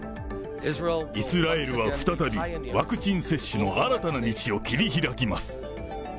イスラエルは再び、ワクチン接種の新たな道を切り開きます。